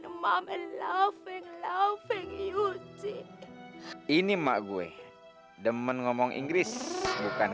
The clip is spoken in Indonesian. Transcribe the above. i am tomorrow is you you my mom loving loving you cik ini emak gue demen ngomong inggris bukan